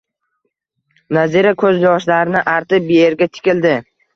Nazira ko`z yoshlarini artib, erga tikildi